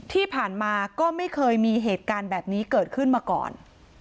ที่ผ่านมาก็ไม่เคยมีเหตุการณ์แบบนี้เกิดขึ้นมาก่อน